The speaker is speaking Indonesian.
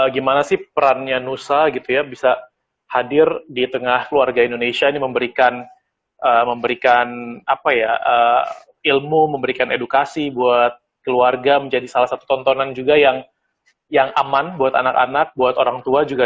gimana sih perannya nusa gitu ya bisa hadir di tengah keluarga indonesia ini memberikan ilmu memberikan edukasi buat keluarga menjadi salah satu tontonan juga yang aman buat anak anak buat orang tua juga